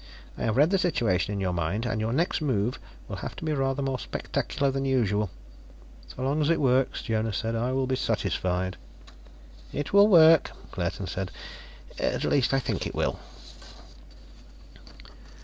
I have read the situation in your mind, and your next move will have to be rather more spectacular than usual." "So long as it works," Jonas said, "I will be satisfied." "It will work," Claerten said. "At least I think it will."